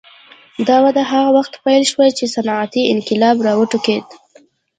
دا وده هغه وخت پیل شوه چې صنعتي انقلاب راوټوکېد.